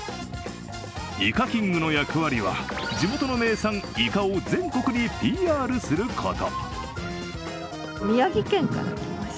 イカキングの役割は、地元の名産、いかを全国にＰＲすること。